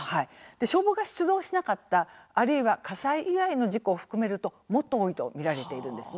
消防が出動しなかったあるいは火災以外の事故を含めると、もっと多いと見られているんですね。